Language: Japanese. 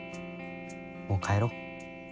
もう帰ろう。